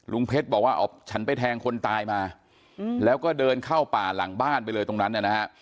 เพชรบอกว่าอ๋อฉันไปแทงคนตายมาแล้วก็เดินเข้าป่าหลังบ้านไปเลยตรงนั้นนะฮะ